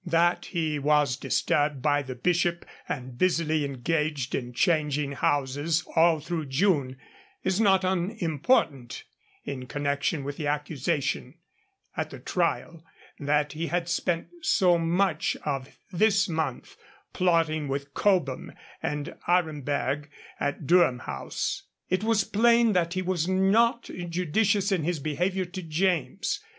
That he was disturbed by the Bishop, and busily engaged in changing houses all through June, is not unimportant in connection with the accusation, at the trial, that he had spent so much of this month plotting with Cobham and Aremberg at Durham House. It was plain that he was not judicious in his behaviour to James.